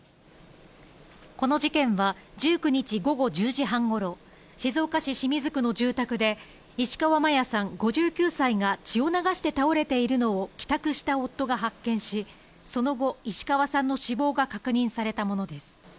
この事件は、１９日午後１０時半ごろ、静岡市清水区の住宅で、石川真矢さん５９歳が血を流して倒れているのを、帰宅した夫が発見し、その後、石川さんの死亡が確認されたものです。